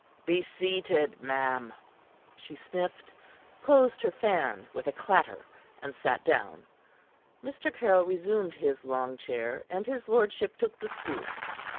"Be seated, ma'am." She sniffed, closed her fan with a clatter, and sat down. Mr. Caryll resumed his long chair, and his lordship took the stool.